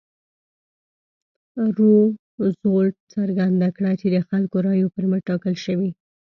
روزولټ څرګنده کړه چې د خلکو رایو پر مټ ټاکل شوی.